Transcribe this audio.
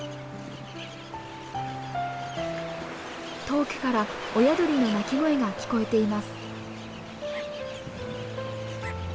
遠くから親鳥の鳴き声が聞こえています。